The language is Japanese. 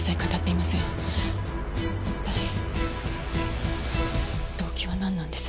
一体動機はなんなんです？